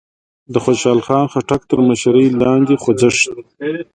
د خوشال خان خټک تر مشرۍ لاندې خوځښت